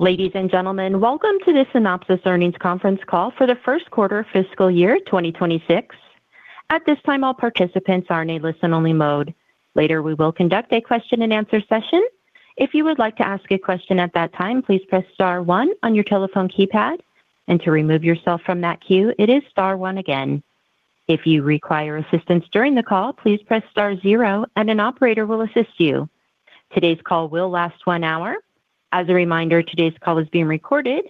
Ladies and gentlemen, welcome to the Synopsys Earnings Conference Call for the first quarter of fiscal year 2026. At this time, all participants are in a listen-only mode. Later, we will conduct a question-and-answer session. If you would like to ask a question at that time, please press star one on your telephone keypad, and to remove yourself from that queue, it is star one again. If you require assistance during the call, please press star zero and an operator will assist you. Today's call will last one hour. As a reminder, today's call is being recorded.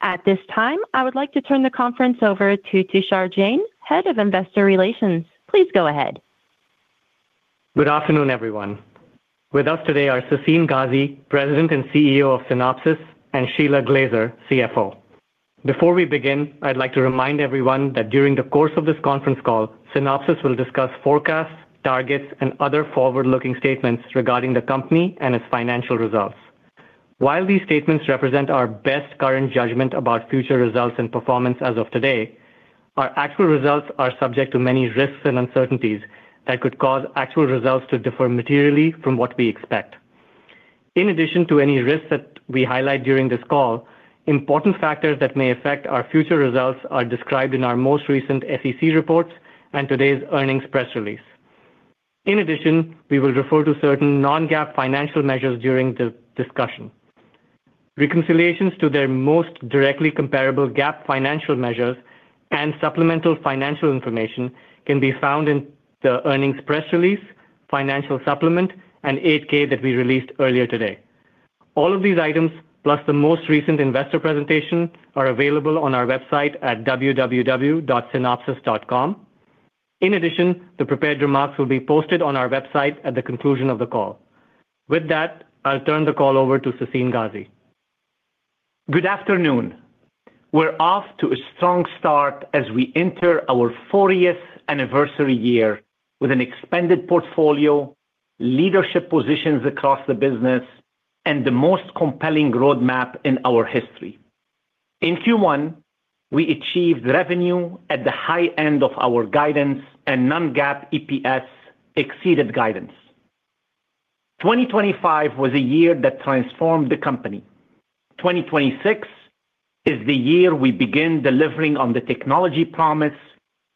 At this time, I would like to turn the conference over to Tushar Jain, Head of Investor Relations. Please go ahead. Good afternoon, everyone. With us today are Sassine Ghazi, President and CEO of Synopsys, and Shelagh Glaser, CFO. Before we begin, I'd like to remind everyone that during the course of this conference call, Synopsys will discuss forecasts, targets, and other forward-looking statements regarding the company and its financial results. While these statements represent our best current judgment about future results and performance as of today, our actual results are subject to many risks and uncertainties that could cause actual results to differ materially from what we expect. To any risks that we highlight during this call, important factors that may affect our future results are described in our most recent SEC reports and today's earnings press release. We will refer to certain non-GAAP financial measures during the discussion. Reconciliations to their most directly comparable GAAP financial measures and supplemental financial information can be found in the earnings press release, financial supplement, and 8-K that we released earlier today. All of these items, plus the most recent investor presentation, are available on our website at www.synopsys.com. In addition, the prepared remarks will be posted on our website at the conclusion of the call. With that, I'll turn the call over to Sassine Ghazi. Good afternoon. We're off to a strong start as we enter our 40th anniversary year with an expanded portfolio, leadership positions across the business, and the most compelling roadmap in our history. In Q1, we achieved revenue at the high end of our guidance, and non-GAAP EPS exceeded guidance. 2025 was a year that transformed the company. 2026 is the year we begin delivering on the technology promise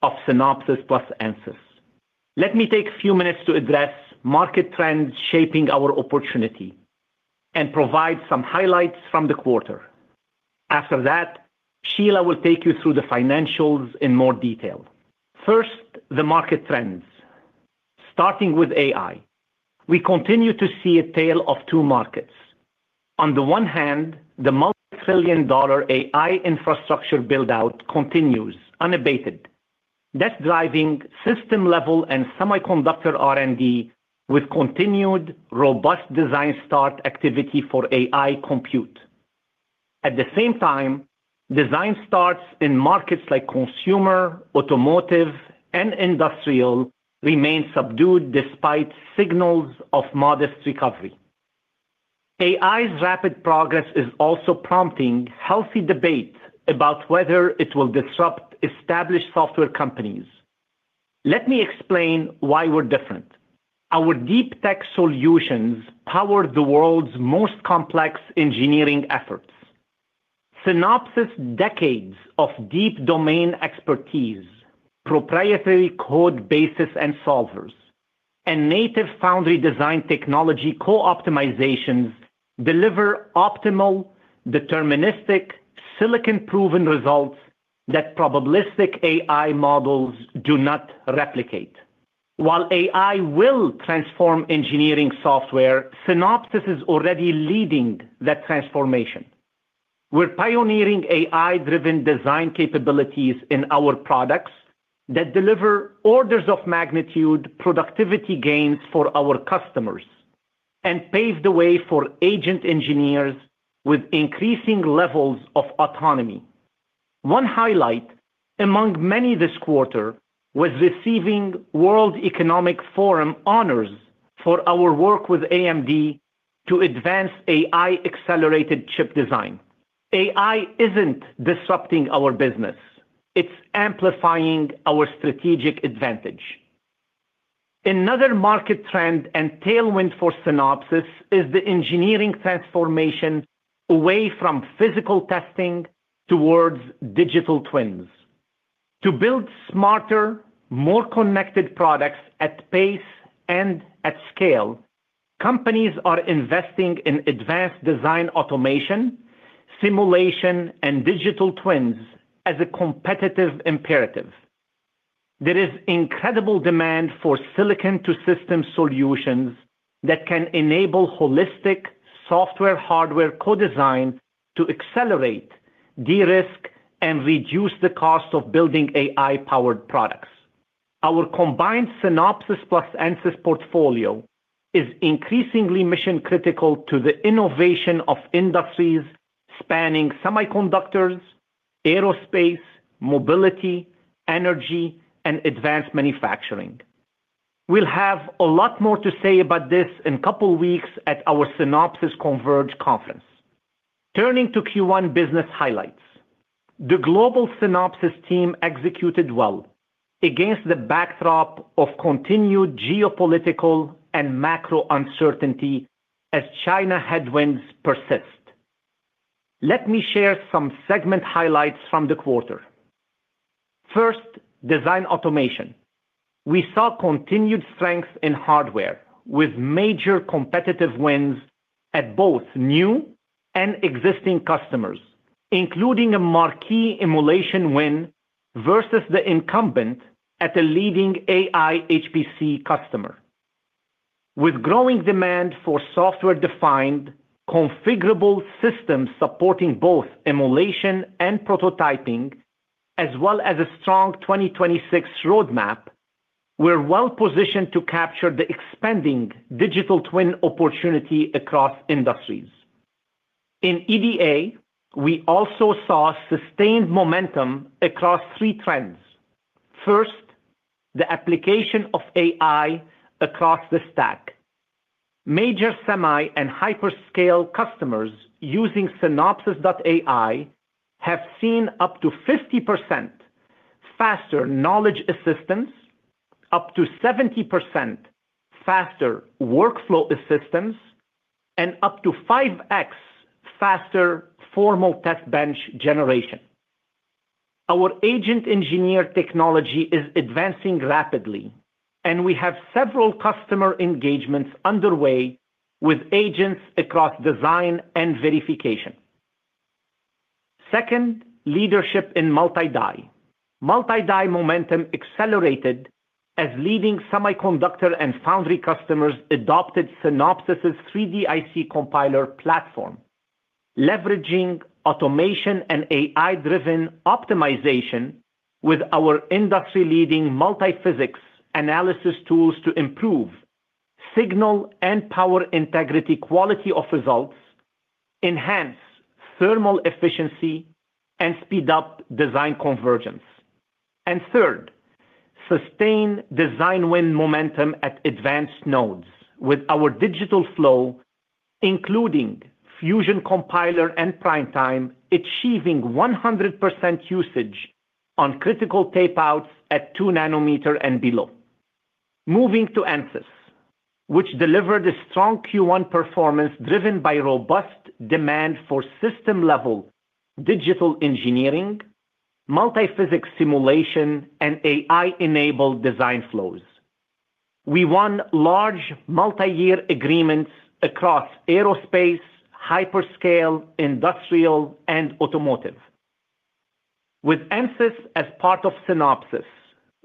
of Synopsys plus Ansys. Let me take a few minutes to address market trends shaping our opportunity and provide some highlights from the quarter. After that, Shelagh will take you through the financials in more detail. First, the market trends. Starting with AI, we continue to see a tale of two markets. On the one hand, the multi-trillion dollar AI infrastructure build-out continues unabated. That's driving system-level and semiconductor R&D with continued robust design start activity for AI compute. At the same time, design starts in markets like consumer, automotive, and industrial remain subdued despite signals of modest recovery. AI's rapid progress is also prompting healthy debate about whether it will disrupt established software companies. Let me explain why we're different. Our deep tech solutions power the world's most complex engineering efforts. Synopsys' decades of deep domain expertise, proprietary code bases and solvers, and native foundry design technology co-optimizations deliver optimal, deterministic, silicon-proven results that probabilistic AI models do not replicate. While AI will transform engineering software, Synopsys is already leading that transformation. We're pioneering AI-driven design capabilities in our products that deliver orders-of-magnitude productivity gains for our customers and pave the way for agent engineers with increasing levels of autonomy. One highlight among many this quarter was receiving World Economic Forum honors for our work with AMD to advance AI-accelerated chip design. AI isn't disrupting our business. It's amplifying our strategic advantage. Another market trend and tailwind for Synopsys is the engineering transformation away from physical testing towards digital twins. To build smarter, more connected products at pace and at scale, companies are investing in advanced design automation, simulation, and digital twins as a competitive imperative. There is incredible demand for silicon-to-system solutions that can enable holistic software-hardware co-design to accelerate, de-risk, and reduce the cost of building AI-powered products. Our combined Synopsys plus Ansys portfolio is increasingly mission-critical to the innovation of industries spanning semiconductors, aerospace, mobility, energy, and advanced manufacturing. We'll have a lot more to say about this in a couple of weeks at our Synopsys Converge Conference. Turning to Q1 business highlights. The global Synopsys team executed well against the backdrop of continued geopolitical and macro uncertainty as China headwinds persist. Let me share some segment highlights from the quarter. First, Design Automation. We saw continued strength in hardware, with major competitive wins at both new and existing customers, including a marquee emulation win versus the incumbent at a leading AI HPC customer. With growing demand for software-defined, configurable systems supporting both emulation and prototyping, as well as a strong 2026 roadmap, we're well positioned to capture the expanding digital twin opportunity across industries. In EDA, we also saw sustained momentum across three trends. First, the application of AI across the stack. Major semi and hyperscale customers using Synopsys.ai have seen up to 50% faster knowledge assistance, up to 70% faster workflow assistance, and up to 5x faster formal test bench generation. Our AgentEngineer technology is advancing rapidly, and we have several customer engagements underway with agents across design and verification. Second, leadership in multi-die. Multi-die momentum accelerated as leading semiconductor and foundry customers adopted Synopsys's 3DIC Compiler platform, leveraging automation and AI-driven optimization with our industry-leading multiphysics analysis tools to improve signal and power integrity quality of results, enhance thermal efficiency, and speed up design convergence. Third, sustain design win momentum at advanced nodes with our digital flow, including Fusion Compiler and PrimeTime, achieving 100% usage on critical tapeouts at 2 nm and below. Moving to Ansys, which delivered a strong Q1 performance driven by robust demand for system-level digital engineering, multiphysics simulation, and AI-enabled design flows. We won large multi-year agreements across aerospace, hyperscale, industrial, and automotive. With Ansys as part of Synopsys,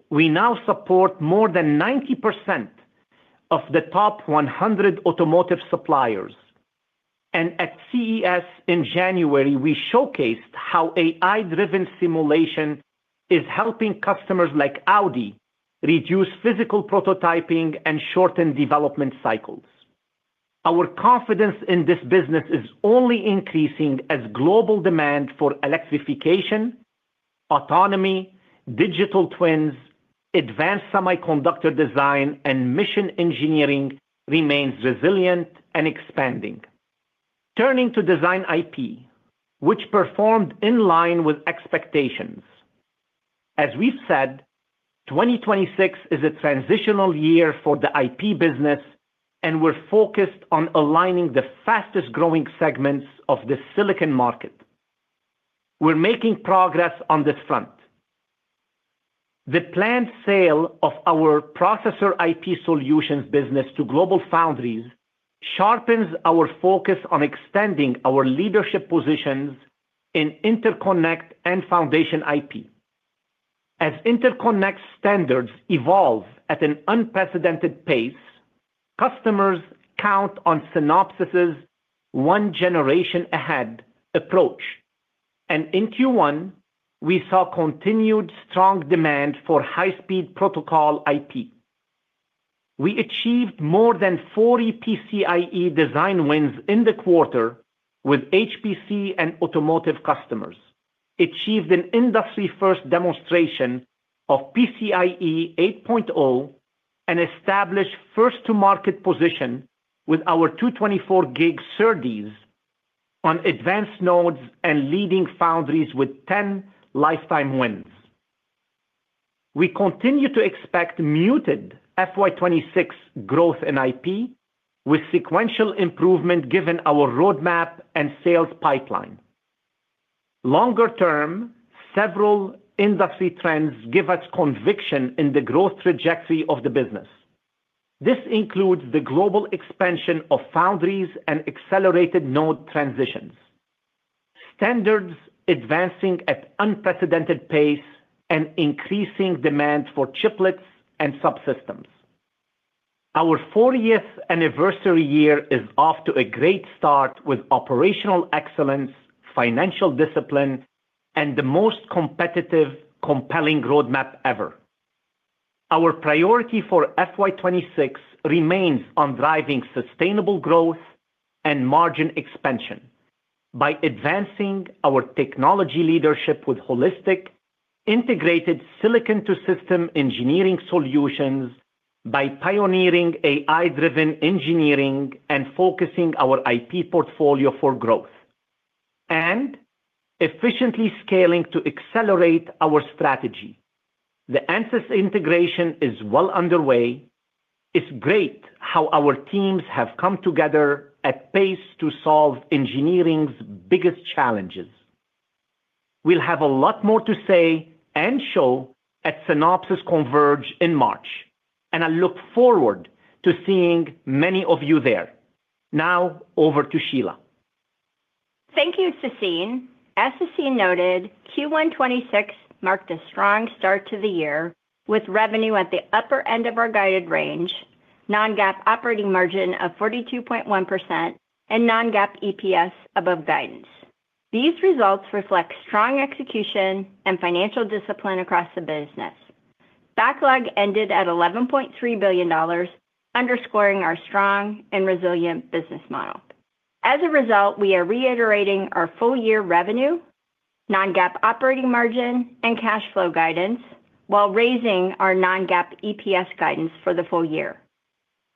we now support more than 90% of the top 100 automotive suppliers. At CES in January, we showcased how AI-driven simulation is helping customers like Audi reduce physical prototyping and shorten development cycles. Our confidence in this business is only increasing as global demand for electrification, autonomy, digital twins, advanced semiconductor design, and mission engineering remains resilient and expanding. Turning to Design IP, which performed in line with expectations. As we've said, 2026 is a transitional year for the IP business, and we're focused on aligning the fastest-growing segments of the silicon market. We're making progress on this front. The planned sale of our processor IP solutions business to GlobalFoundries sharpens our focus on extending our leadership positions in interconnect and foundation IP. As interconnect standards evolve at an unprecedented pace, customers count on Synopsys's one generation ahead approach, and in Q1, we saw continued strong demand for high-speed protocol IP. We achieved more than 40 PCIe design wins in the quarter with HPC and automotive customers, achieved an industry-first demonstration of PCIe 8.0, and established first-to-market position with our 224G SerDes on advanced nodes and leading foundries with 10 lifetime wins. We continue to expect muted FY 2026 growth in IP with sequential improvement given our roadmap and sales pipeline. Longer term, several industry trends give us conviction in the growth trajectory of the business. This includes the global expansion of foundries and accelerated node transitions, standards advancing at unprecedented pace, and increasing demand for chiplets and subsystems. Our 40th anniversary year is off to a great start with operational excellence, financial discipline, and the most competitive, compelling roadmap ever. Our priority for FY 2026 remains on driving sustainable growth and margin expansion by advancing our technology leadership with holistic integrated silicon to system engineering solutions by pioneering AI-driven engineering and focusing our IP portfolio for growth, and efficiently scaling to accelerate our strategy. The Ansys integration is well underway. It's great how our teams have come together at pace to solve engineering's biggest challenges. We'll have a lot more to say and show at Synopsys Converge in March. I look forward to seeing many of you there. Now, over to Shelagh. Thank you, Sassine. As Sassine noted, Q1 2026 marked a strong start to the year, with revenue at the upper end of our guided range, non-GAAP operating margin of 42.1%, and non-GAAP EPS above guidance. These results reflect strong execution and financial discipline across the business. Backlog ended at $11.3 billion, underscoring our strong and resilient business model. We are reiterating our full year revenue, non-GAAP operating margin, and cash flow guidance, while raising our non-GAAP EPS guidance for the full year.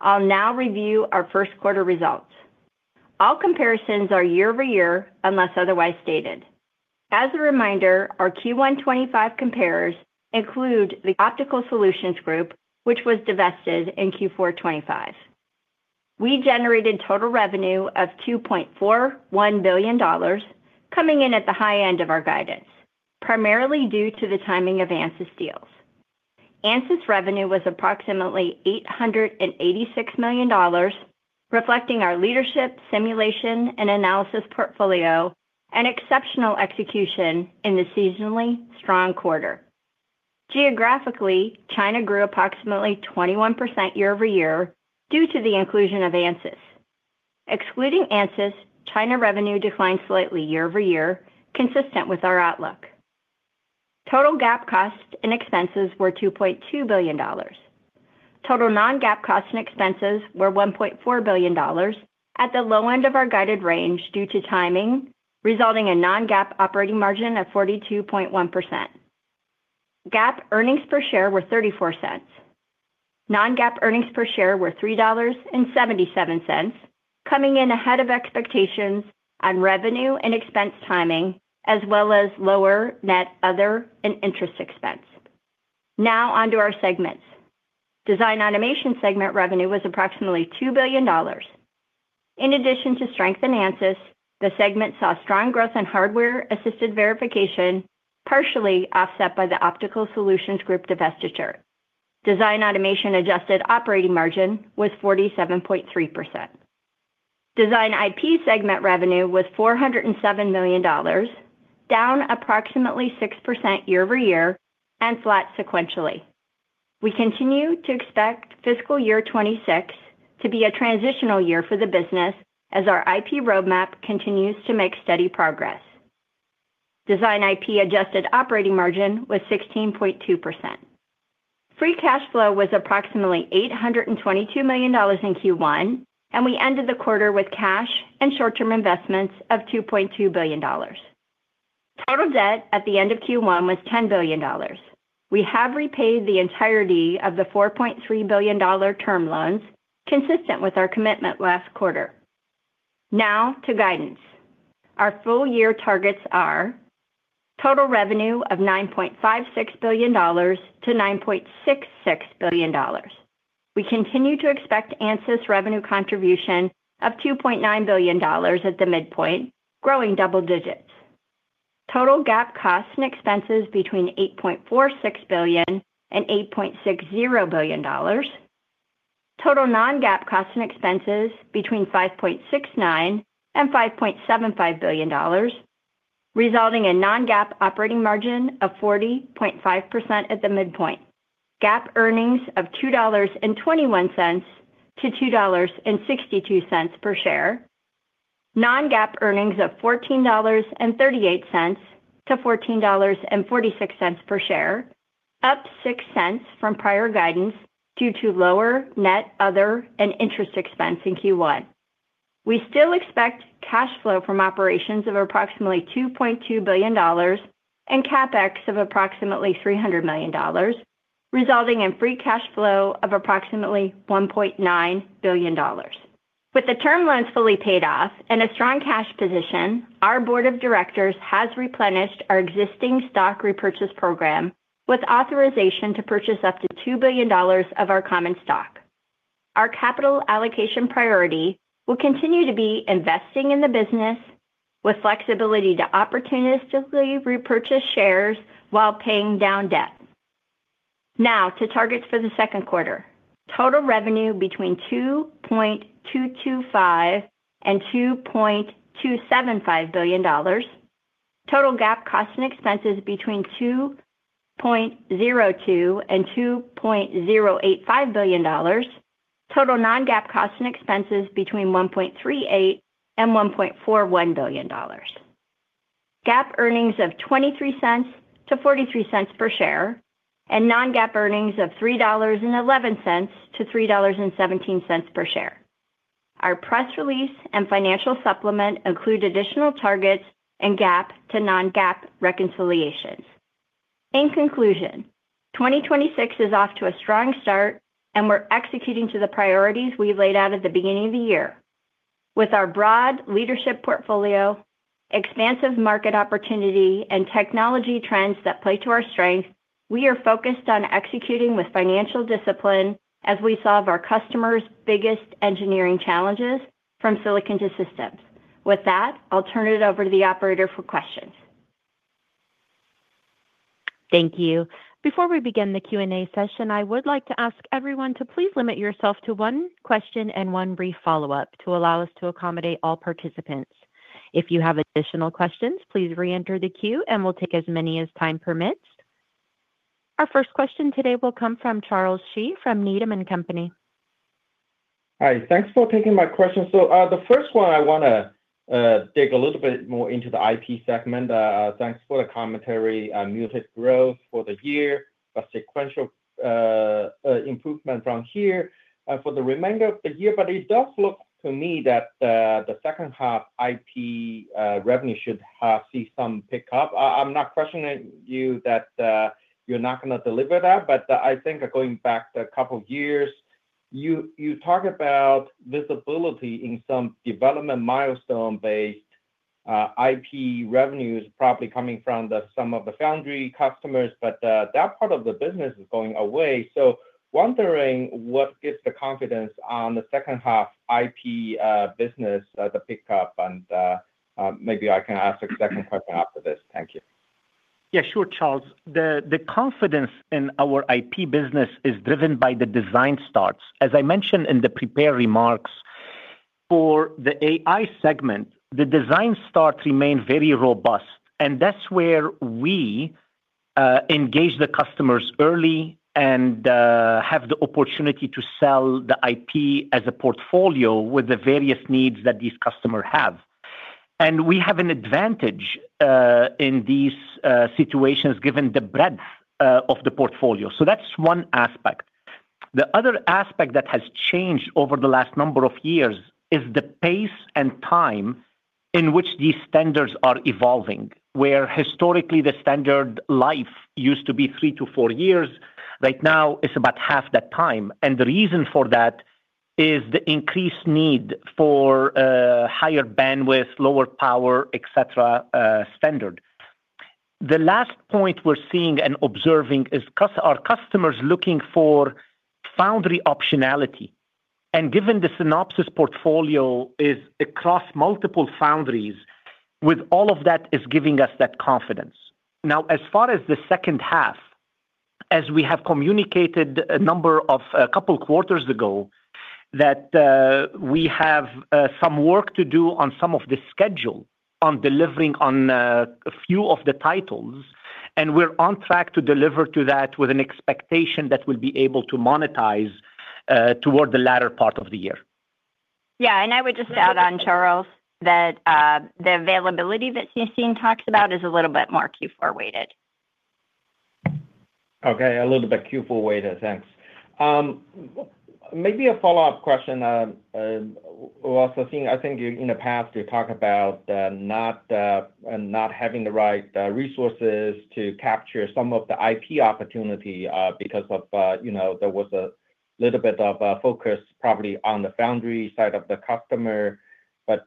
I'll now review our first quarter results. All comparisons are year-over-year, unless otherwise stated. Our Q1 2025 compares include the Optical Solutions Group, which was divested in Q4 2025. We generated total revenue of $2.41 billion, coming in at the high end of our guidance, primarily due to the timing of Ansys deals. Ansys revenue was approximately $886 million, reflecting our leadership, simulation, and analysis portfolio, and exceptional execution in the seasonally strong quarter. Geographically, China grew approximately 21% year-over-year due to the inclusion of Ansys. Excluding Ansys, China revenue declined slightly year-over-year, consistent with our outlook. Total GAAP costs and expenses were $2.2 billion. Total non-GAAP costs and expenses were $1.4 billion at the low end of our guided range due to timing, resulting in non-GAAP operating margin of 42.1%. GAAP earnings per share were $0.34. Non-GAAP earnings per share were $3.77, coming in ahead of expectations on revenue and expense timing, as well as lower net other and interest expense. On to our segments. Design Automation segment revenue was approximately $2 billion. In addition to strength in Ansys, the segment saw strong growth in hardware-assisted verification, partially offset by the Optical Solutions Group divestiture. Design Automation adjusted operating margin was 47.3%. Design IP segment revenue was $407 million, down approximately 6% year-over-year and flat sequentially. We continue to expect fiscal year 2026 to be a transitional year for the business as our IP roadmap continues to make steady progress. Design IP adjusted operating margin was 16.2%. Free cash flow was approximately $822 million in Q1. We ended the quarter with cash and short-term investments of $2.2 billion. Total debt at the end of Q1 was $10 billion. We have repaid the entirety of the $4.3 billion term loans, consistent with our commitment last quarter. Now to guidance. Our full year targets are: total revenue of $9.56 billion-$9.66 billion. We continue to expect Ansys revenue contribution of $2.9 billion at the midpoint, growing double digits. Total GAAP costs and expenses between $8.46 billion and $8.60 billion. Total non-GAAP costs and expenses between $5.69 billion and $5.75 billion, resulting in non-GAAP operating margin of 40.5% at the midpoint. GAAP earnings of $2.21-$2.62 per share. Non-GAAP earnings of $14.38-$14.46 per share, up $0.06 from prior guidance due to lower net other and interest expense in Q1. We still expect cash flow from operations of approximately $2.2 billion and CapEx of approximately $300 million, resulting in free cash flow of approximately $1.9 billion. With the term loans fully paid off and a strong cash position, our board of directors has replenished our existing stock repurchase program with authorization to purchase up to $2 billion of our common stock. Our capital allocation priority will continue to be investing in the business with flexibility to opportunistically repurchase shares while paying down debt. To targets for the second quarter. Total revenue between $2.225 billion and $2.275 billion. Total GAAP costs and expenses between $2.02 billion and $2.085 billion. Total non-GAAP costs and expenses between $1.38 billion and $1.41 billion. GAAP earnings of $0.23-$0.43 per share, and non-GAAP earnings of $3.11-$3.17 per share. Our press release and financial supplement include additional targets and GAAP to non-GAAP reconciliations. In conclusion, 2026 is off to a strong start, and we're executing to the priorities we laid out at the beginning of the year. With our broad leadership portfolio, expansive market opportunity, and technology trends that play to our strength, we are focused on executing with financial discipline as we solve our customers' biggest engineering challenges from silicon to systems. With that, I'll turn it over to the operator for questions. Thank you. Before we begin the Q&A session, I would like to ask everyone to please limit yourself to one question and one brief follow-up to allow us to accommodate all participants. If you have additional questions, please reenter the queue, and we'll take as many as time permits. Our first question today will come from Charles Shi from Needham & Company. Hi, thanks for taking my question. The first one, I want to dig a little bit more into the IP segment. Thanks for the commentary on unit growth for the year, a sequential improvement from here for the remainder of the year. It does look to me that the second half IP revenue should see some pickup. I'm not questioning you that you're not going to deliver that, but I think going back a couple of years, you talk about visibility in some development milestone-based IP revenues, probably coming from the some of the foundry customers, but that part of the business is going away. Wondering, what gives the confidence on the second half IP business the pickup? Maybe I can ask a second question after this. Thank you. Yeah, sure, Charles. The confidence in our IP business is driven by the design starts. As I mentioned in the prepared remarks, for the AI segment, the design starts remain very robust, and that's where we engage the customers early and have the opportunity to sell the IP as a portfolio with the various needs that these customer have. We have an advantage in these situations, given the breadth of the portfolio. That's one aspect. The other aspect that has changed over the last number of years is the pace and time in which these standards are evolving. Where historically, the standard life used to be three to four years, right now it's about half that time, and the reason for that is the increased need for higher bandwidth, lower power, et cetera, standard. The last point we're seeing and observing is our customers looking for foundry optionality. Given the Synopsys portfolio is across multiple foundries, with all of that is giving us that confidence. Now, as far as the second half, as we have communicated a couple quarters ago, that we have some work to do on some of the schedule on delivering on a few of the titles. We're on track to deliver to that with an expectation that we'll be able to monetize toward the latter part of the year. Yeah, I would just add on, Charles, that the availability that Sassine talked about is a little bit more Q4 weighted. Okay, a little bit Q4 weighted. Thanks. Maybe a follow-up question. Sassine, I think in the past, you talk about, not having the right resources to capture some of the IP opportunity, because of, you know, there was a little bit of focus probably on the foundry side of the customer, but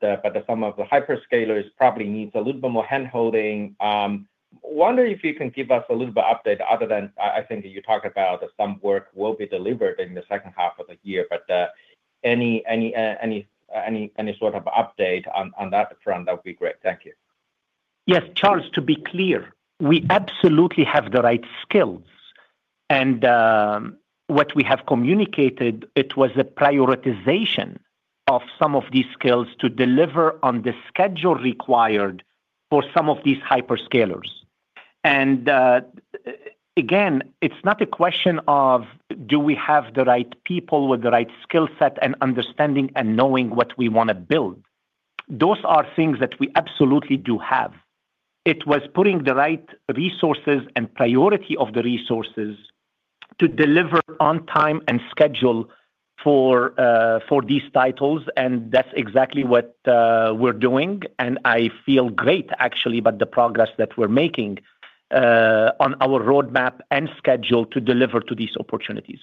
some of the hyperscalers probably needs a little bit more handholding. Wondering if you can give us a little bit update other than, I think you talked about some work will be delivered in the second half of the year, but, any sort of update on that front, that would be great. Thank you. Yes, Charles, to be clear, we absolutely have the right skills, and what we have communicated, it was a prioritization of some of these skills to deliver on the schedule required for some of these hyperscalers. Again, it's not a question of, do we have the right people with the right skill set and understanding and knowing what we want to build? Those are things that we absolutely do have. It was putting the right resources and priority of the resources to deliver on time and schedule for these titles, and that's exactly what we're doing. I feel great, actually, about the progress that we're making on our roadmap and schedule to deliver to these opportunities.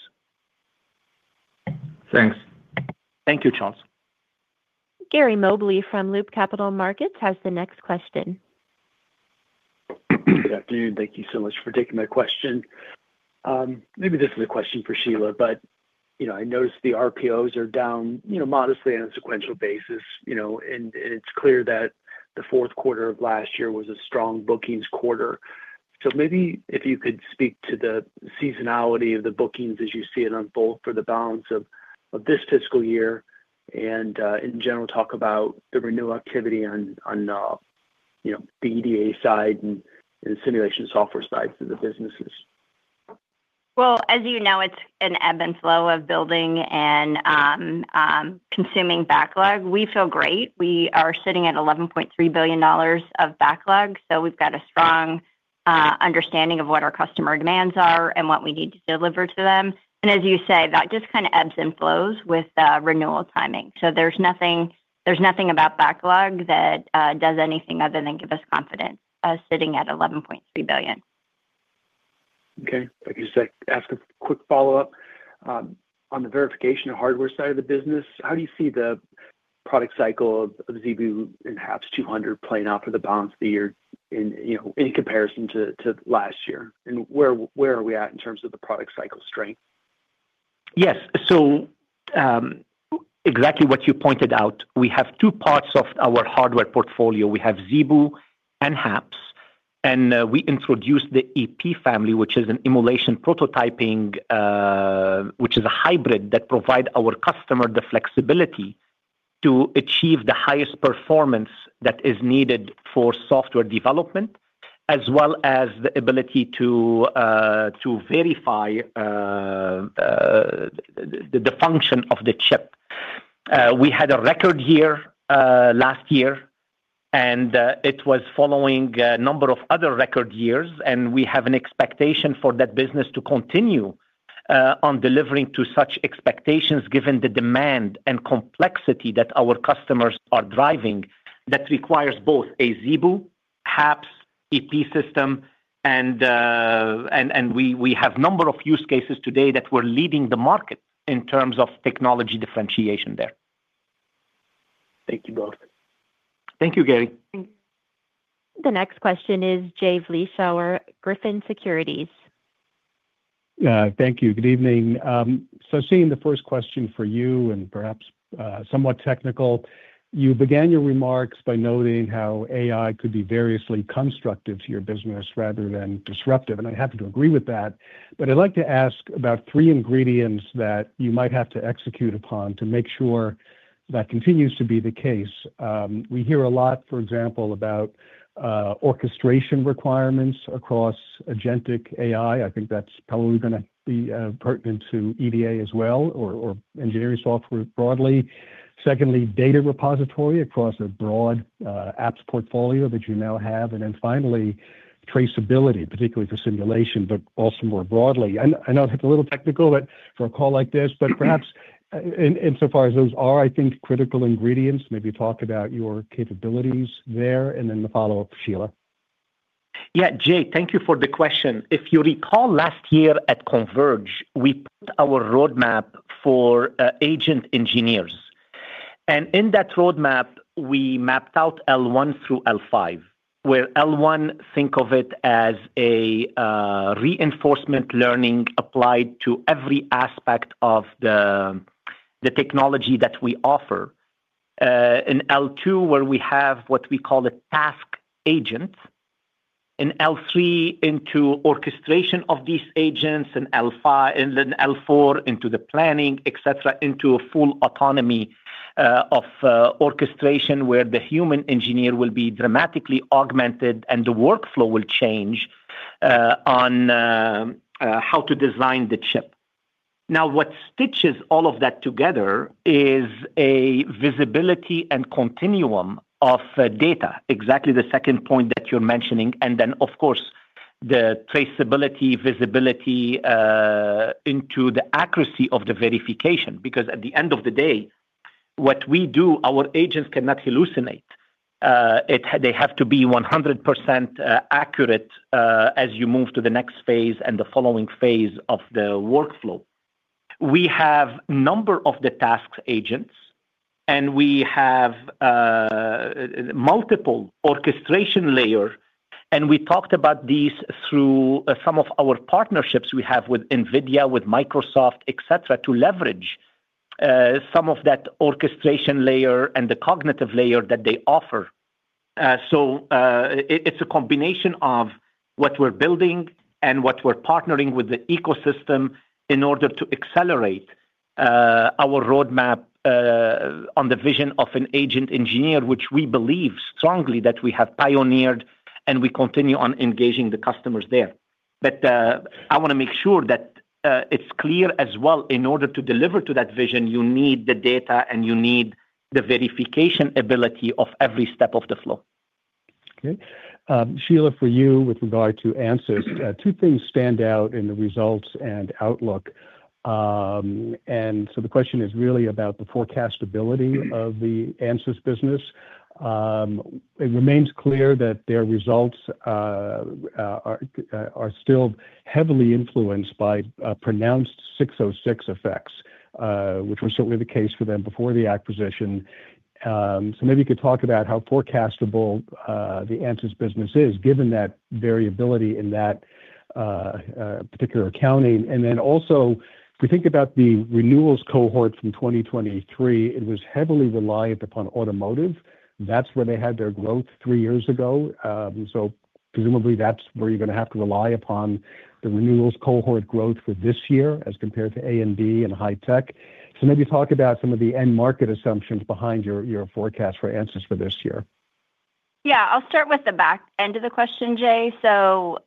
Thanks. Thank you, Charles. Gary Mobley from Loop Capital Markets has the next question. Good afternoon. Thank you so much for taking my question. Maybe this is a question for Shelagh, but, you know, I noticed the RPOs are down, you know, modestly on a sequential basis, and it's clear that the fourth quarter of last year was a strong bookings quarter. Maybe if you could speak to the seasonality of the bookings as you see it on both for the balance of this fiscal year and in general, talk about the renewal activity on, you know, the EDA side and simulation software sides of the businesses. Well, as you know, it's an ebb and flow of building and consuming backlog. We feel great. We are sitting at $11.3 billion of backlog, so we've got a strong understanding of what our customer demands are and what we need to deliver to them. As you say, that just kind of ebbs and flows with renewal timing. There's nothing about backlog that does anything other than give us confidence, sitting at $11.3 billion. Okay. If I could just ask a quick follow-up. On the verification and hardware side of the business, how do you see the product cycle of ZeBu and HAPS-200 playing out for the balance of the year in, you know, in comparison to last year? Where are we at in terms of the product cycle strength? Yes. Exactly what you pointed out. We have two parts of our hardware portfolio. We have ZeBu and HAPS, and we introduced the EP family, which is an emulation prototyping, which is a hybrid that provide our customer the flexibility to achieve the highest performance that is needed for software development, as well as the ability to verify the function of the chip. We had a record year last year, and it was following a number of other record years, and we have an expectation for that business to continue on delivering to such expectations, given the demand and complexity that our customers are driving. That requires both a ZeBu, HAPS, EP system, and we have number of use cases today that we're leading the market in terms of technology differentiation there. Thank you both. Thank you, Gary. The next question is Jay Vleeschhouwer, Griffin Securities. Thank you. Good evening. Seeing the first question for you and perhaps somewhat technical, you began your remarks by noting how AI could be variously constructive to your business rather than disruptive, and I'm happy to agree with that. I'd like to ask about three ingredients that you might have to execute upon to make sure that continues to be the case. We hear a lot, for example, about orchestration requirements across agentic AI. I think that's probably going to be pertinent to EDA as well, or engineering software broadly. Secondly, data repository across a broad apps portfolio that you now have. Finally, traceability, particularly for simulation, but also more broadly. I know it's a little technical, but for a call like this, but perhaps in, insofar as those are, I think, critical ingredients, maybe talk about your capabilities there, and then the follow-up, Shelagh. Yeah, Jay, thank you for the question. If you recall, last year at Converge, we put our roadmap for agent engineers, and in that roadmap, we mapped out L1 through L5, where L1, think of it as a reinforcement learning applied to every aspect of the technology that we offer. In L2, where we have what we call a task agent, in L3 into orchestration of these agents, and L5, and then L4 into the planning, et cetera, into a full autonomy of orchestration, where the human engineer will be dramatically augmented and the workflow will change on how to design the chip. Now, what stitches all of that together is a visibility and continuum of data, exactly the second point that you're mentioning, and then, of course, the traceability, visibility, into the accuracy of the verification. At the end of the day, what we do, our agents cannot hallucinate. They have to be 100% accurate as you move to the next phase and the following phase of the workflow. We have number of the tasks agents, and we have multiple orchestration layer, and we talked about these through some of our partnerships we have with NVIDIA, with Microsoft, et cetera, to leverage some of that orchestration layer and the cognitive layer that they offer. It's a combination of what we're building and what we're partnering with the ecosystem in order to accelerate our roadmap on the vision of an AgentEngineer, which we believe strongly that we have pioneered, and we continue on engaging the customers there. I want to make sure that it's clear as well, in order to deliver to that vision, you need the data, and you need the verification ability of every step of the flow. Okay. Shelagh, for you, with regard to Ansys, two things stand out in the results and outlook. The question is really about the forecastability of the Ansys business. It remains clear that their results are still heavily influenced by pronounced 606 effects, which was certainly the case for them before the acquisition. Maybe you could talk about how forecastable the Ansys business is, given that variability in that particular accounting. If we think about the renewals cohort from 2023, it was heavily reliant upon automotive. That's where they had their growth three years ago, presumably, that's where you're going to have to rely upon the renewals cohort growth for this year as compared to A and B and high tech. Maybe talk about some of the end market assumptions behind your forecast for Ansys for this year? Yeah, I'll start with the back end of the question, Jay.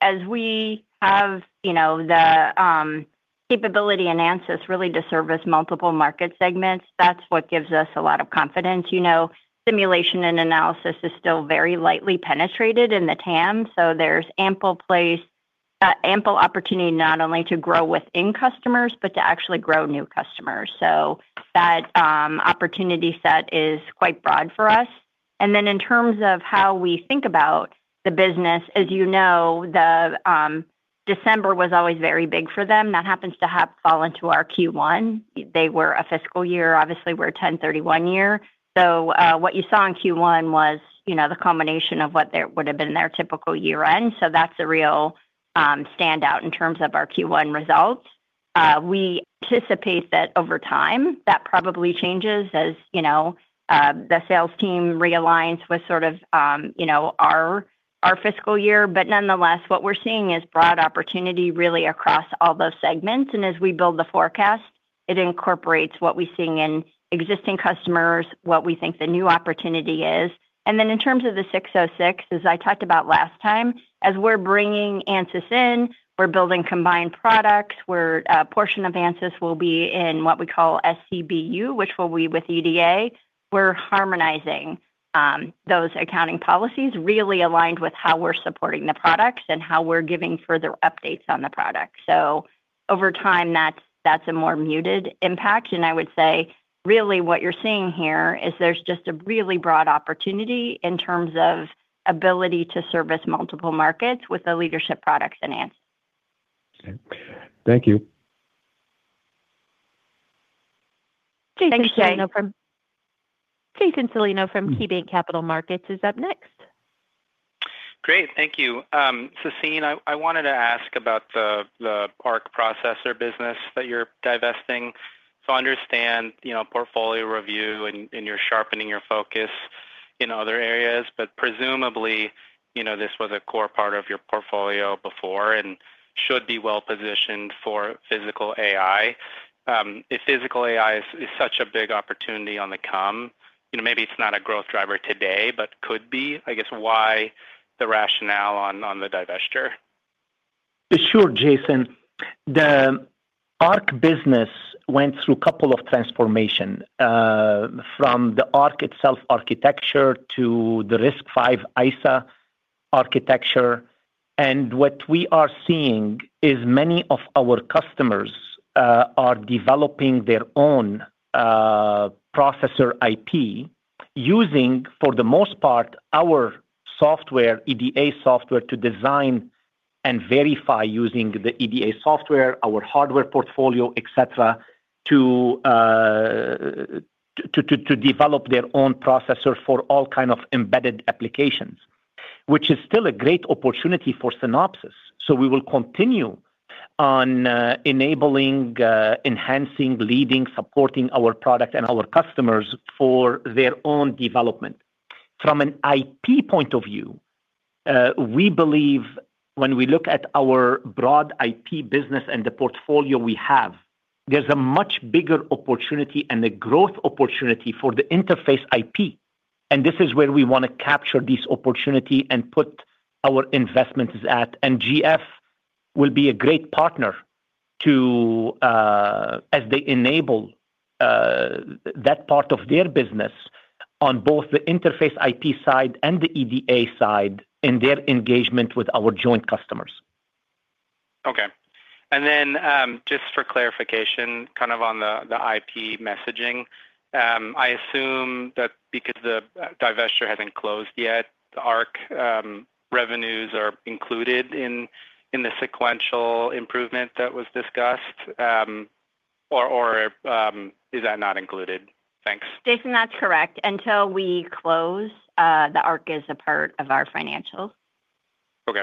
As we have, you know, the capability in Ansys really to service multiple market segments, that's what gives us a lot of confidence. You know, simulation and analysis is still very lightly penetrated in the TAM, so there's ample place, ample opportunity not only to grow within customers, but to actually grow new customers. That opportunity set is quite broad for us. In terms of how we think about the business, as you know, the December was always very big for them. That happens to have fall into our Q1. They were a fiscal year. Obviously, we're a 10/31 year. What you saw in Q1 was, you know, the combination of what would have been their typical year-end. That's a real standout in terms of our Q1 results. We anticipate that over time, that probably changes as, you know, the sales team realigns with sort of, you know, our fiscal year. Nonetheless, what we're seeing is broad opportunity really across all those segments. As we build the forecast, it incorporates what we're seeing in existing customers, what we think the new opportunity is. Then in terms of the 606, as I talked about last time, as we're bringing Ansys in, we're building combined products, where a portion of Ansys will be in what we call SCBU, which will be with EDA. We're harmonizing those accounting policies really aligned with how we're supporting the products and how we're giving further updates on the product. Over time, that's a more muted impact. I would say, really what you're seeing here is there's just a really broad opportunity in terms of ability to service multiple markets with the leadership products in Ansys. Thank you. Jason Celino. Thanks, Jay. Jason Celino from KeyBanc Capital Markets is up next. Great. Thank you. Sassine, I wanted to ask about the ARC processor business that you're divesting. I understand, you know, portfolio review and you're sharpening your focus in other areas, but presumably, you know, this was a core part of your portfolio before and should be well-positioned for physical AI. If physical AI is such a big opportunity on the come, you know, maybe it's not a growth driver today, but could be, I guess, why the rationale on the divesture? Sure, Jason. The ARC business went through a couple of transformation from the ARC itself, architecture to the RISC-V ISA architecture. What we are seeing is many of our customers are developing their own processor IP, using, for the most part, our software, EDA software, to design and verify using the EDA software, our hardware portfolio, et cetera, to develop their own processor for all kind of embedded applications, which is still a great opportunity for Synopsys. We will continue on enabling, enhancing, leading, supporting our product and our customers for their own development. From an IP point of view, we believe when we look at our broad IP business and the portfolio we have, there's a much bigger opportunity and a growth opportunity for the interface IP, and this is where we want to capture this opportunity and put our investments at. GF will be a great partner to, as they enable, that part of their business on both the interface IP side and the EDA side in their engagement with our joint customers. Okay. Just for clarification, kind of on the IP messaging, I assume that because the divesture hasn't closed yet, the ARC revenues are included in the sequential improvement that was discussed, or is that not included? Thanks. Jason, that's correct. Until we close, the ARC is a part of our financials. Okay.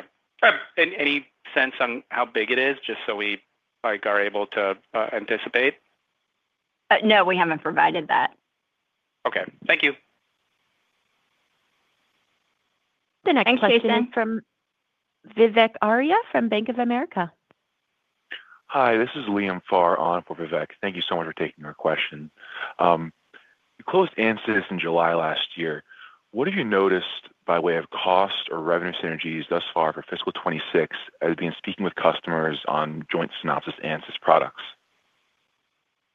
Any sense on how big it is? Just so we, like, are able to anticipate. No, we haven't provided that. Okay. Thank you. The next question. Thanks, Jason. From Vivek Arya from Bank of America. Hi, this is Liam Pharr on for Vivek. Thank you so much for taking our question. You closed Ansys in July last year. What have you noticed by way of cost or revenue synergies thus far for fiscal 2026, as you've been speaking with customers on joint Synopsys-Ansys products?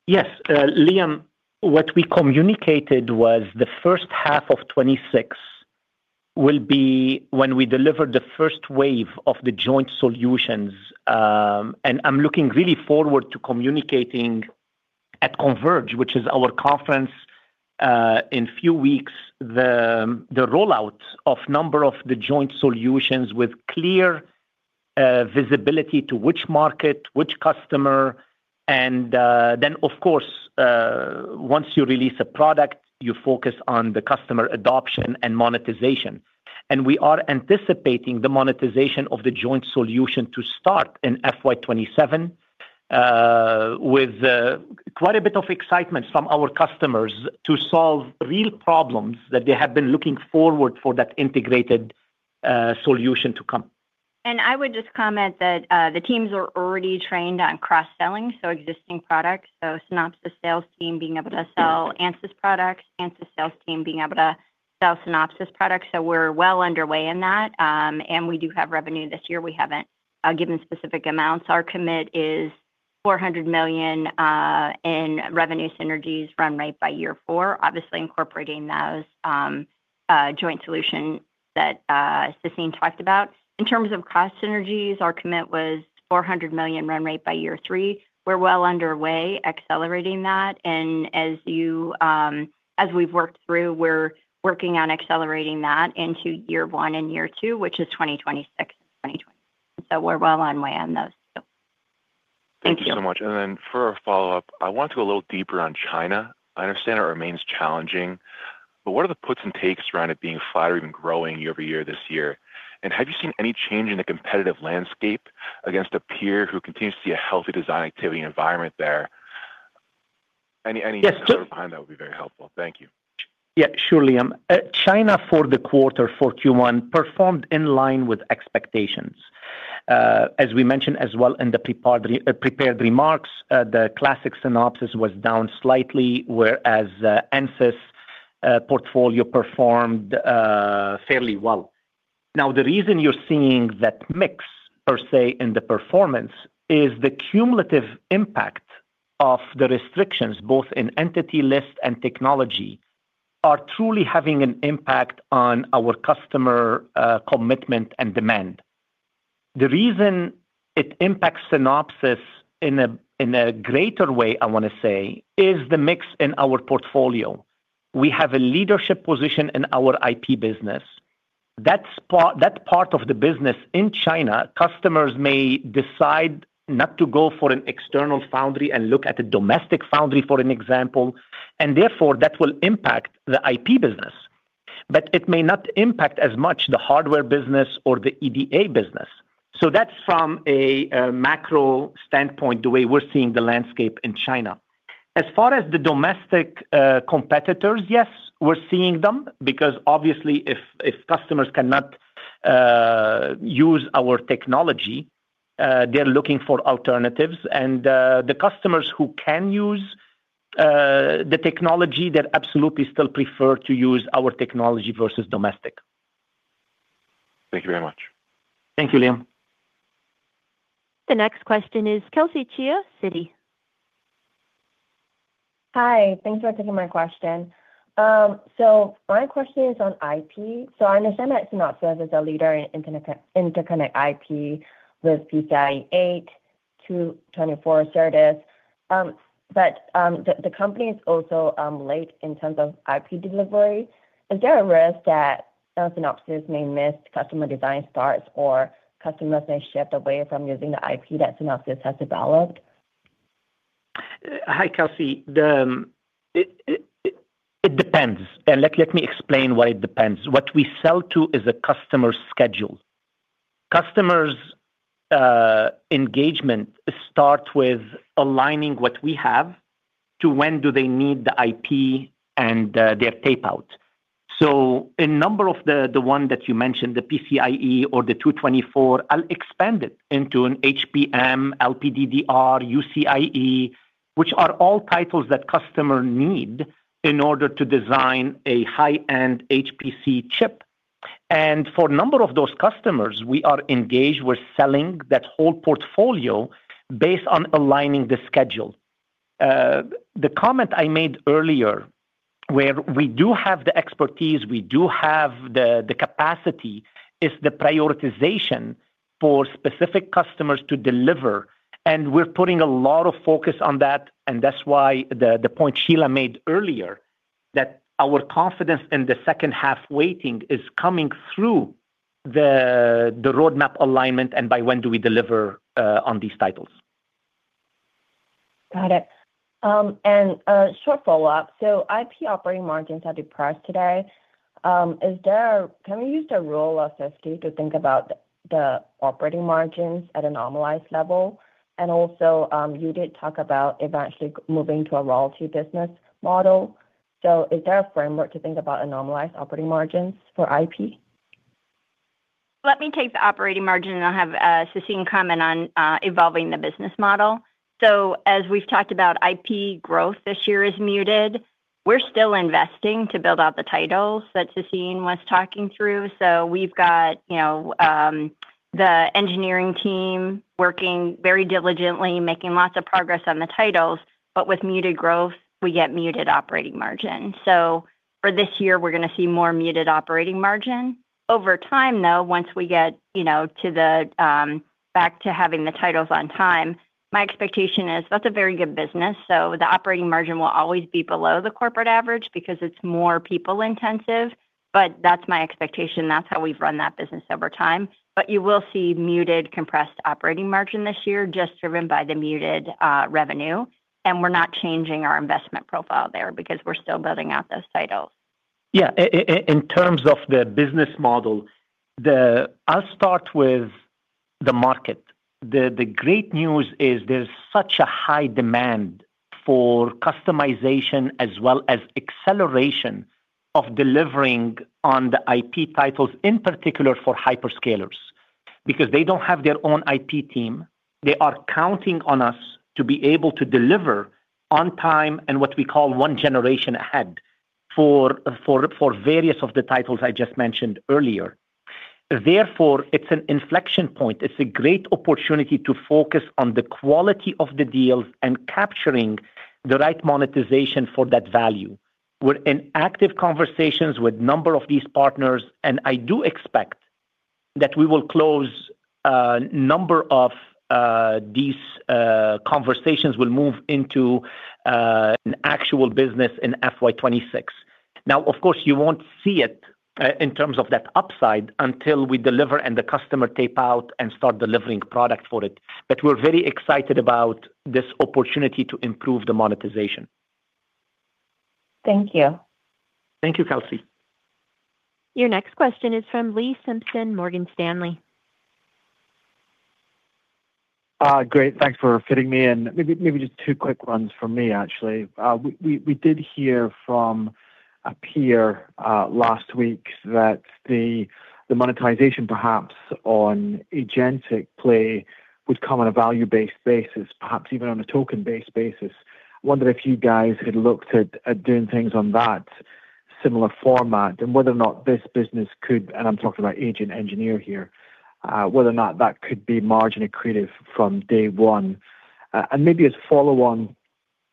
Yes, Liam, what we communicated was the first half of 2026 will be when we deliver the first wave of the joint solutions, and I'm looking really forward to communicating at Converge, which is our conference, in few weeks, the rollout of number of the joint solutions with clear visibility to which market, which customer, and then, of course, once you release a product, you focus on the customer adoption and monetization. We are anticipating the monetization of the joint solution to start in FY 2027, with quite a bit of excitement from our customers to solve real problems that they have been looking forward for that integrated solution to come. I would just comment that the teams are already trained on cross-selling, so existing products. Synopsys sales team being able to sell Ansys products, Ansys sales team being able to sell Synopsys products. We're well underway in that, and we do have revenue this year. We haven't given specific amounts. Our commit is $400 million in revenue synergies run rate by year four, obviously incorporating those joint solution that Sassine talked about. In terms of cost synergies, our commit was $400 million run rate by year three. We're well underway accelerating that, and as you as we've worked through, we're working on accelerating that into year one and year two, which is 2026. We're well on way on those. Thank you. Thank you so much. For a follow-up, I want to go a little deeper on China. I understand it remains challenging, but what are the puts and takes around it being flat or even growing year-over-year this year? Have you seen any change in the competitive landscape against a peer who continues to see a healthy design activity environment there? Any insight behind that would be very helpful. Thank you. Yeah, sure, Liam. China, for the quarter for Q1, performed in line with expectations. As we mentioned as well in the prepared remarks, the classic Synopsys was down slightly, whereas, Ansys portfolio performed fairly well. The reason you're seeing that mix, per se, in the performance, is the cumulative impact of the restrictions, both in entity list and technology, are truly having an impact on our customer commitment and demand. The reason it impacts Synopsys in a, in a greater way, I want to say, is the mix in our portfolio. We have a leadership position in our IP business. That part of the business in China, customers may decide not to go for an external foundry and look at a domestic foundry, for an example, and therefore, that will impact the IP business. It may not impact as much the hardware business or the EDA business. That's from a macro standpoint, the way we're seeing the landscape in China. As far as the domestic competitors, yes, we're seeing them, because obviously, if customers cannot use our technology, they're looking for alternatives, and the customers who can use the technology, they absolutely still prefer to use our technology versus domestic. Thank you very much. Thank you, Liam. The next question is Kelsey Chia, Citi. Hi, thanks for taking my question. My question is on IP. I understand that Synopsys is a leader in interconnect IP with PCIe 8.0 to 224G SerDes. The company is also late in terms of IP delivery. Is there a risk that Synopsys may miss customer design starts or customers may shift away from using the IP that Synopsys has developed? Hi, Kelsey. It depends. Let me explain why it depends. What we sell to is a customer schedule. Customers' engagement start with aligning what we have to when do they need the IP and their tapeout. A number of the one that you mentioned, the PCIe or the 224, I'll expand it into an HBM, LPDDR, UCIe, which are all titles that customer need in order to design a high-end HPC chip. For a number of those customers, we are engaged, we're selling that whole portfolio based on aligning the schedule. The comment I made earlier, where we do have the expertise, we do have the capacity, is the prioritization for specific customers to deliver, and we're putting a lot of focus on that, and that's why the point Shelagh made earlier, that our confidence in the second half waiting is coming through the roadmap alignment and by when do we deliver, on these titles. Got it. A short follow-up. IP operating margins are depressed today. Is there, can we use the Rule of 50 to think about the operating margins at a normalized level? Also, you did talk about eventually moving to a royalty business model. Is there a framework to think about a normalized operating margins for IP? Let me take the operating margin. I'll have Sassine comment on evolving the business model. As we've talked about IP growth this year is muted. We're still investing to build out the titles that Sassine was talking through. We've got, you know, the engineering team working very diligently, making lots of progress on the titles, but with muted growth, we get muted operating margin. For this year, we're going to see more muted operating margin. Over time, though, once we get, you know, to the back to having the titles on time, my expectation is that's a very good business. The operating margin will always be below the corporate average because it's more people-intensive, but that's my expectation. That's how we've run that business over time. You will see muted, compressed operating margin this year, just driven by the muted, revenue, and we're not changing our investment profile there because we're still building out those titles. Yeah. I, in terms of the business model, the. I'll start with the market. The great news is there's such a high demand for customization as well as acceleration of delivering on the IP titles, in particular for hyperscalers. Because they don't have their own IP team, they are counting on us to be able to deliver on time and what we call one generation ahead for various of the titles I just mentioned earlier. It's an inflection point. It's a great opportunity to focus on the quality of the deals and capturing the right monetization for that value. We're in active conversations with a number of these partners, and I do expect that we will close a number of these conversations will move into an actual business in FY 2026. Of course, you won't see it in terms of that upside until we deliver and the customer tape out and start delivering product for it. We're very excited about this opportunity to improve the monetization. Thank you. Thank you, Kelsey. Your next question is from Lee Simpson, Morgan Stanley. Great. Thanks for fitting me in. Maybe just two quick ones from me, actually. We did hear from a peer last week that the monetization perhaps on agentic play would come on a value-based basis, perhaps even on a token-based basis. I wonder if you guys had looked at doing things on that similar format and whether or not this business could, and I'm talking about AgentEngineer here, whether or not that could be margin accretive from day one. Maybe as follow on,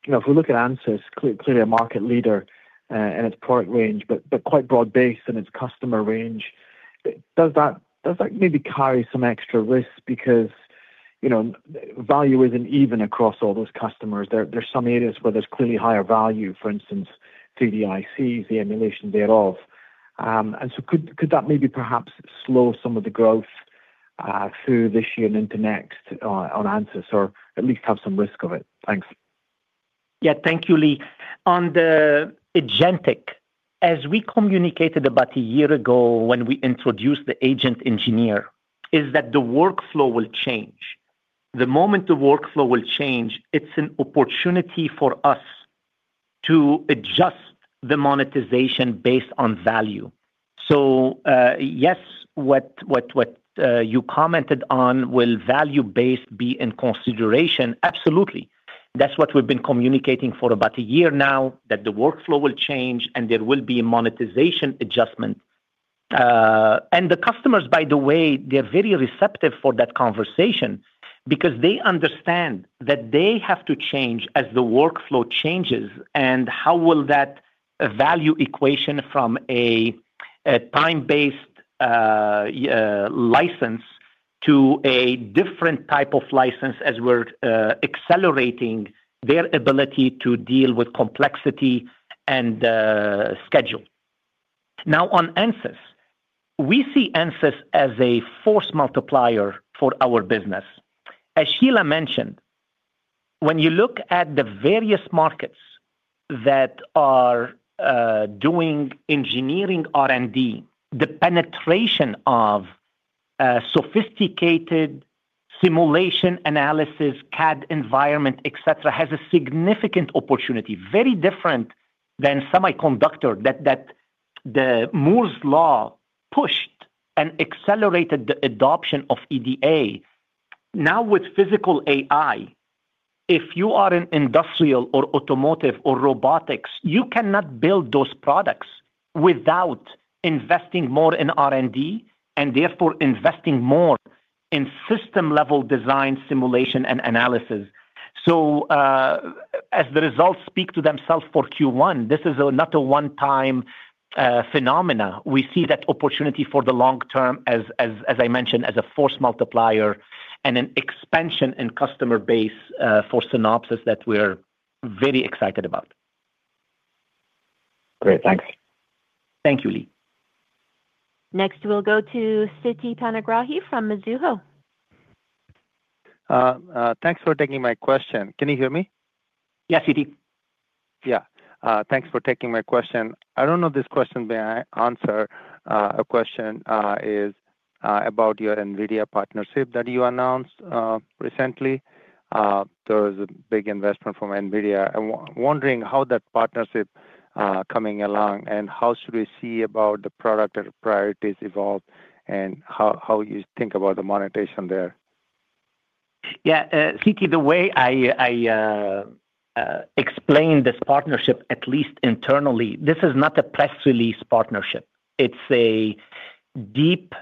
you know, if we look at Ansys, clearly a market leader in its product range, but quite broad-based in its customer range. Does that maybe carry some extra risk? Because, you know, value isn't even across all those customers. There are some areas where there's clearly higher value, for instance, 3DICs, the emulation thereof. Could that maybe perhaps slow some of the growth through this year and into next on Ansys, or at least have some risk of it? Thanks. Thank you, Lee. On the agentic, as we communicated about a year ago when we introduced the AgentEngineer, is that the workflow will change. The moment the workflow will change, it's an opportunity for us to adjust the monetization based on value. Yes, what you commented on, will value-based be in consideration? Absolutely. That's what we've been communicating for about a year now, that the workflow will change and there will be a monetization adjustment. And the customers, by the way, they're very receptive for that conversation because they understand that they have to change as the workflow changes, and how will that value equation from a time-based license to a different type of license as we're accelerating their ability to deal with complexity and schedule. Now, on Ansys, we see Ansys as a force multiplier for our business. As Shelagh mentioned, when you look at the various markets that are doing engineering R&D, the penetration of sophisticated simulation analysis, CAD environment, et cetera, has a significant opportunity, very different than semiconductor, that the Moore's law pushed and accelerated the adoption of EDA. Now, with physical AI, if you are in industrial or automotive or robotics, you cannot build those products without investing more in R&D, and therefore investing more in system-level design, simulation, and analysis. As the results speak to themselves for Q1, this is not a one-time phenomena. We see that opportunity for the long term as I mentioned, as a force multiplier and an expansion in customer base for Synopsys that we're very excited about. Great. Thanks. Thank you, Lee. Next, we'll go to Siti Panigrahi from Mizuho. Thanks for taking my question. Can you hear me? Yes, Siti. Yeah. Thanks for taking my question. I don't know if this question may I answer. A question is about your NVIDIA partnership that you announced recently. There was a big investment from NVIDIA. I'm wondering how that partnership coming along, and how should we see about the product or priorities evolve, and how you think about the monetization there? Yeah, Siti, the way I explain this partnership, at least internally, this is not a press release partnership. It's a deep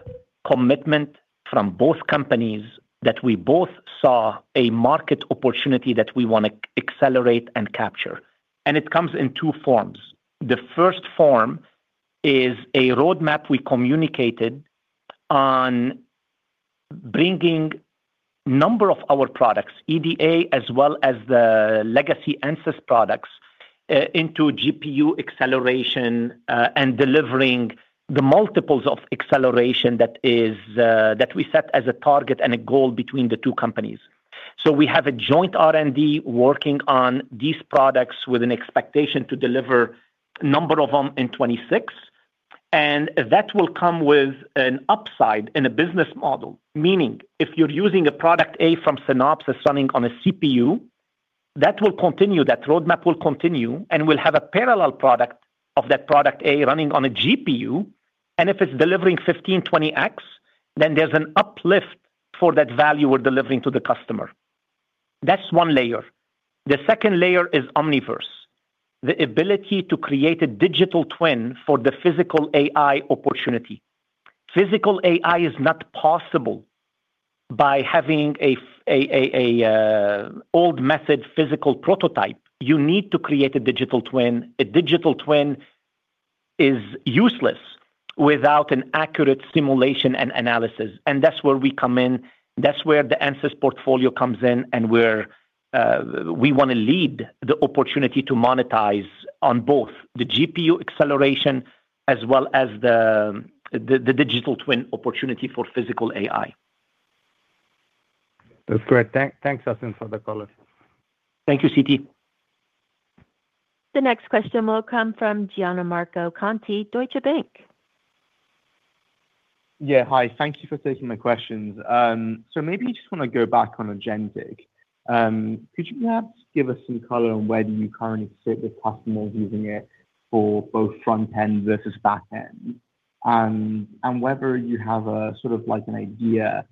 commitment from both companies that we both saw a market opportunity that we wanna accelerate and capture, and it comes in two forms. The first form is a roadmap we communicated on bringing number of our products, EDA, as well as the legacy Ansys products, into GPU acceleration, and delivering the multiples of acceleration that is, that we set as a target and a goal between the two companies. We have a joint R&D working on these products with an expectation to deliver a number of them in 2026. That will come with an upside in a business model, meaning if you're using a product A from Synopsys running on a CPU, that will continue, that roadmap will continue, and we'll have a parallel product of that product A running on a GPU, and if it's delivering 15x, 20x, then there's an uplift for that value we're delivering to the customer. That's one layer. The second layer is Omniverse. The ability to create a digital twin for the physical AI opportunity. Physical AI is not possible by having an old method physical prototype. You need to create a digital twin. A digital twin is useless without an accurate simulation and analysis, and that's where we come in, that's where the Ansys portfolio comes in, and where we wanna lead the opportunity to monetize on both the GPU acceleration as well as the digital twin opportunity for physical AI. That's great. Thanks, Sassine, for the color. Thank you, Siti. The next question will come from Gianmarco Conti, Deutsche Bank. Yeah, hi. Thank you for taking my questions. Maybe you just want to go back on agentic. Could you perhaps give us some color on where do you currently sit with customers using it for both front end versus back end? Whether you have a sort of like an idea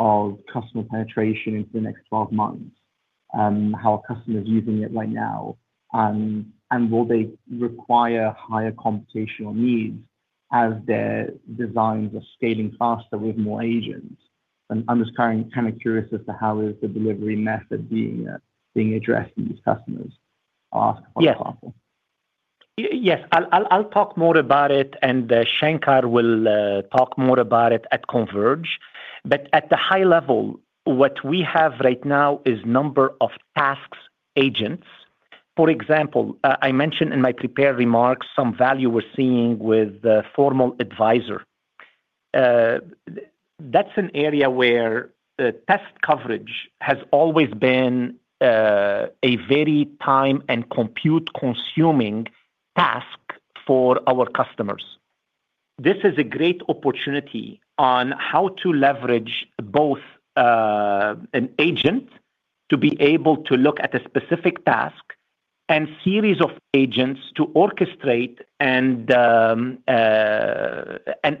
of customer penetration into the next 12 months, how are customers using it right now, will they require higher computational needs as their designs are scaling faster with more agents? I'm just kind of curious as to how is the delivery method being addressed in these customers ask, for example. Yes. I'll talk more about it, and Shankar will talk more about it at Converge. At the high level, what we have right now is number of tasks agents. For example, I mentioned in my prepared remarks some value we're seeing with the formal advisor. That's an area where the test coverage has always been a very time and compute consuming task for our customers. This is a great opportunity on how to leverage both an agent to be able to look at a specific task and series of agents to orchestrate and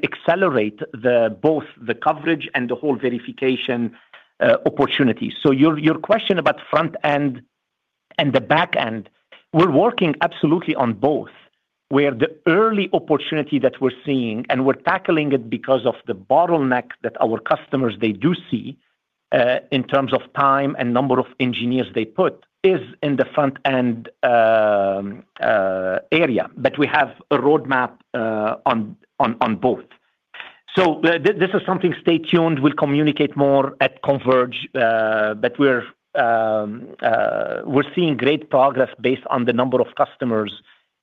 accelerate the, both the coverage and the whole verification opportunity. Your question about front end and the back end, we're working absolutely on both, where the early opportunity that we're seeing, and we're tackling it because of the bottleneck that our customers, they do see in terms of time and number of engineers they put, is in the front end area. We have a roadmap on both. This is something stay tuned. We'll communicate more at Converge, but we're seeing great progress based on the number of customers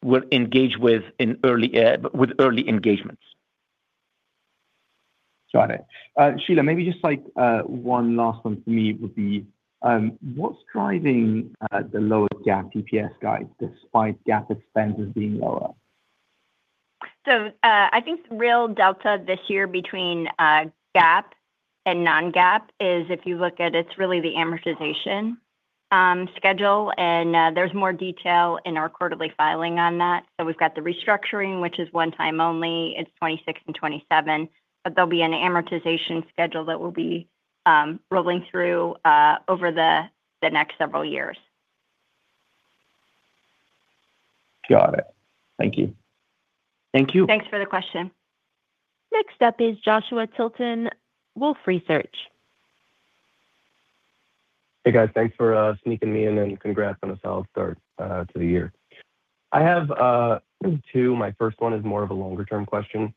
we're engaged with in early with early engagements. Got it. Shelagh, maybe just like, one last one for me would be, what's driving, the lowest GAAP EPS guide, despite GAAP expenses being lower? I think the real delta this year between GAAP and non-GAAP is, if you look at it's really the amortization schedule, and there's more detail in our quarterly filing on that. We've got the restructuring, which is one time only, it's 2026 and 2027, but there'll be an amortization schedule that will be rolling through over the next several years. Got it. Thank you. Thank you. Thanks for the question. Next up is Joshua Tilton, Wolfe Research. Hey, guys. Thanks for sneaking me in, and congrats on a solid start to the year. I have two. My first one is more of a longer-term question.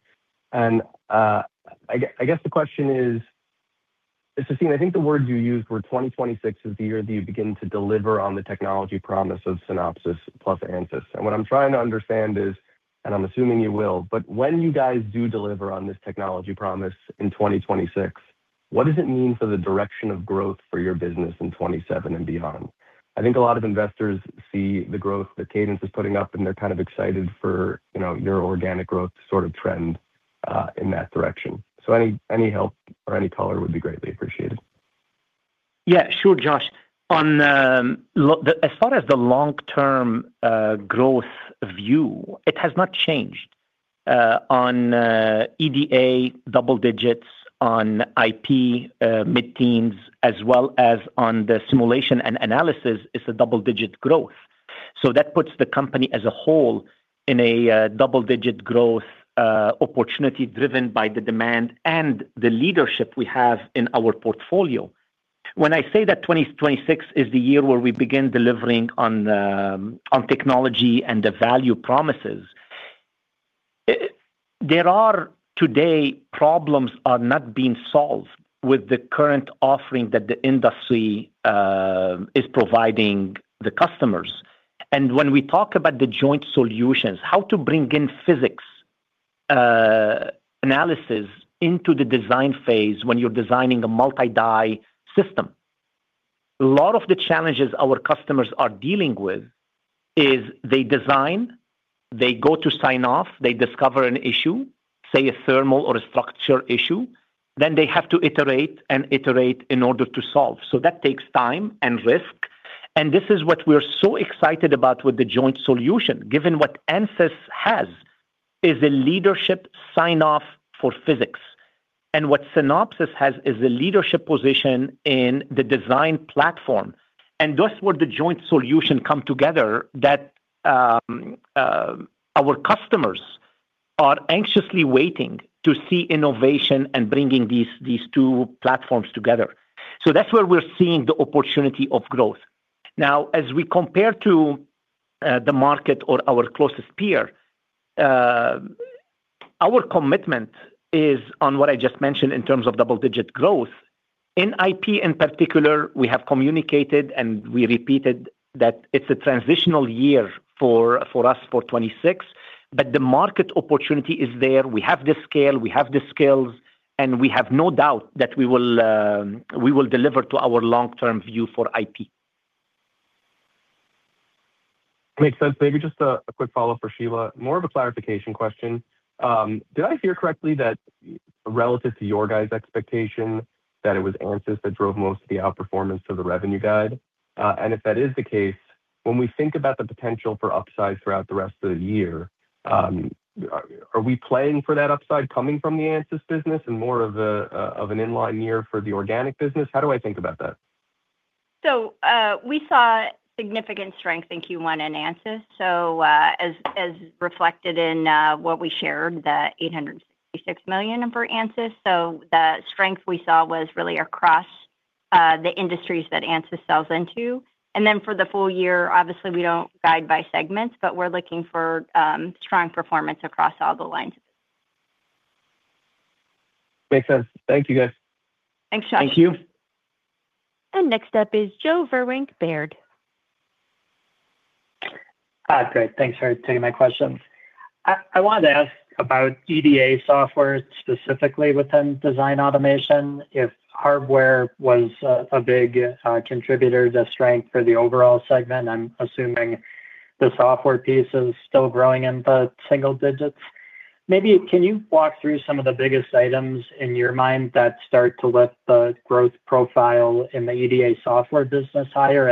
I guess the question is, Sassine, I think the words you used were 2026 is the year that you begin to deliver on the technology promise of Synopsys plus Ansys. What I'm trying to understand is, and I'm assuming you will, but when you guys do deliver on this technology promise in 2026, what does it mean for the direction of growth for your business in 2027 and beyond? I think a lot of investors see the growth that Cadence is putting up, and they're kind of excited for, you know, your organic growth sort of trend in that direction. Any help or any color would be greatly appreciated. Yeah, sure, Josh. On as far as the long-term growth view, it has not changed. On EDA, double digits, on IP, mid-teens, as well as on the simulation and analysis, it's a double-digit growth. That puts the company as a whole in a double-digit growth opportunity driven by the demand and the leadership we have in our portfolio. When I say that 2026 is the year where we begin delivering on the on technology and the value promises, there are today, problems are not being solved with the current offering that the industry is providing the customers. When we talk about the joint solutions, how to bring in physics analysis into the design phase when you're designing a multi-die system, a lot of the challenges our customers are dealing with is they design, they go to sign-off, they discover an issue, say, a thermal or a structure issue, then they have to iterate and iterate in order to solve. That takes time and risk, and this is what we're so excited about with the joint solution. Given what Ansys has is a leadership sign-off for physics, and what Synopsys has is a leadership position in the design platform. Thus, where the joint solution come together, that our customers are anxiously waiting to see innovation and bringing these two platforms together. That's where we're seeing the opportunity of growth. Now, as we compare to the market or our closest peer, our commitment is on what I just mentioned in terms of double-digit growth. In IP, in particular, we have communicated, we repeated that it's a transitional year for us for 2026, the market opportunity is there. We have the scale, we have the skills, we have no doubt that we will deliver to our long-term view for IP. Makes sense. Maybe just a quick follow-up for Shelagh. More of a clarification question. Did I hear correctly that relative to your guys' expectation, that it was Ansys that drove most of the outperformance of the revenue guide? If that is the case, when we think about the potential for upside throughout the rest of the year, are we playing for that upside coming from the Ansys business and more of an inline year for the organic business? How do I think about that? We saw significant strength in Q1 in Ansys. As reflected in what we shared, the $866 million for Ansys. The strength we saw was really across the industries that Ansys sells into. For the full year, obviously, we don't guide by segments, but we're looking for strong performance across all the lines. Makes sense. Thank you, guys. Thanks, Joshua. Thank you. Next up is Joe Vruwink, Baird. Hi, great. Thanks for taking my questions. I wanted to ask about EDA software, specifically within Design Automation. If hardware was a big contributor to strength for the overall segment, I'm assuming the software piece is still growing in the single digits. Maybe can you walk through some of the biggest items in your mind that start to lift the growth profile in the EDA software business higher?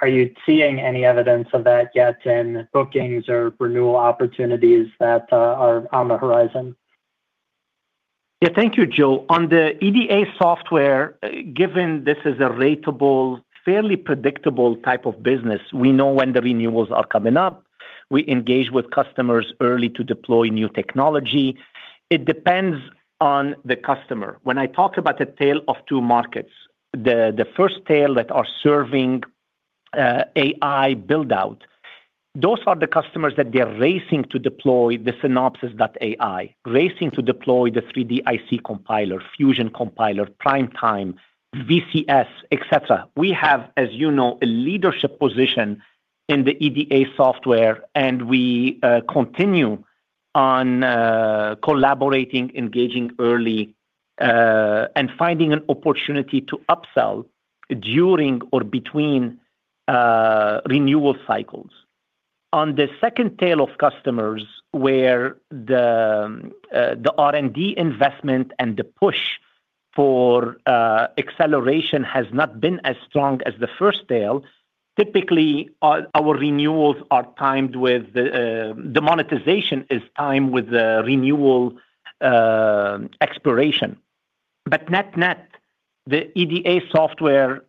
Are you seeing any evidence of that yet in bookings or renewal opportunities that are on the horizon? Thank you, Joe. On the EDA software, given this is a ratable, fairly predictable type of business, we know when the renewals are coming up. We engage with customers early to deploy new technology. It depends on the customer. When I talk about a tale of two markets, the first tale that are serving AI build-out, those are the customers that they are racing to deploy the Synopsys.ai, racing to deploy the 3DIC Compiler, Fusion Compiler, PrimeTime, VCS, etcetera. We have, as you know, a leadership position in the EDA software, and we continue on collaborating, engaging early, and finding an opportunity to upsell during or between renewal cycles. On the second tail of customers, where the R&D investment and the push for acceleration has not been as strong as the first tail, typically, our renewals are timed with the monetization is timed with the renewal expiration. Net-net, the EDA software,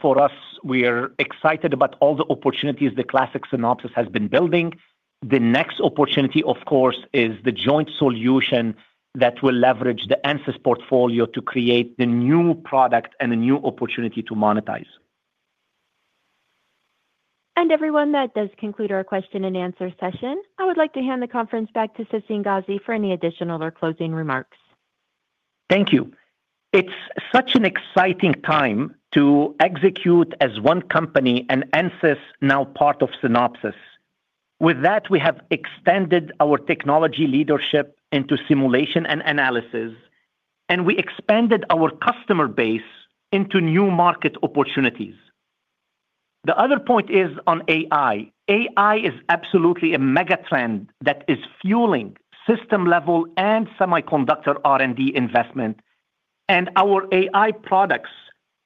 for us, we are excited about all the opportunities the classic Synopsys has been building. The next opportunity, of course, is the joint solution that will leverage the Ansys portfolio to create the new product and a new opportunity to monetize. Everyone, that does conclude our question and answer session. I would like to hand the conference back to Sassine Ghazi for any additional or closing remarks. Thank you. It's such an exciting time to execute as one company and Ansys, now part of Synopsys. With that, we have extended our technology leadership into simulation and analysis, and we expanded our customer base into new market opportunities. The other point is on AI. AI is absolutely a mega trend that is fueling system-level and semiconductor R&D investment, and our AI products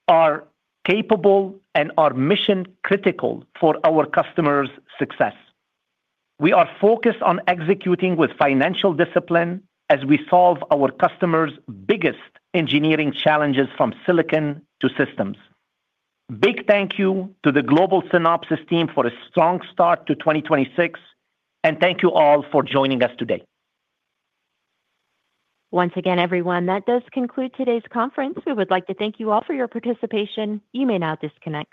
are capable and are mission-critical for our customers' success. We are focused on executing with financial discipline as we solve our customers' biggest engineering challenges from silicon to systems. Big thank you to the global Synopsys team for a strong start to 2026. Thank you all for joining us today. Once again, everyone, that does conclude today's conference. We would like to thank you all for your participation. You may now disconnect.